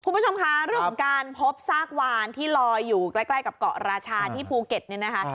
คุณผู้ชมคะเรื่องของการพบซากวานที่ลอยอยู่ใกล้กับเกาะราชาที่ภูเก็ตเนี่ยนะคะ